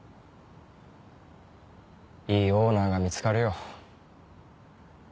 いいオーナーが見つかるよ。